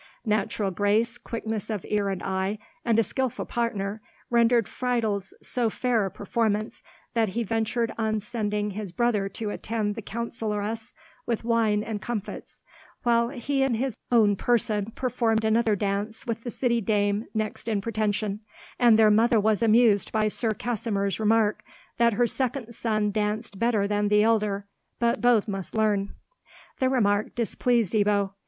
Natural grace, quickness of ear and eye, and a skilful partner, rendered Friedel's so fair a performance that he ventured on sending his brother to attend the councilloress with wine and comfits; while he in his own person performed another dance with the city dame next in pretension, and their mother was amused by Sir Kasimir's remark, that her second son danced better than the elder, but both must learn. The remark displeased Ebbo.